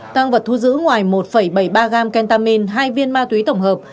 tăng vật thu giữ ngoài một bảy mươi ba gram kentamin hai viên ma túy tổng hợp